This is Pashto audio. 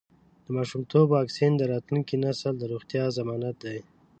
د ماشومتوب واکسین د راتلونکي نسل د روغتیا ضمانت دی.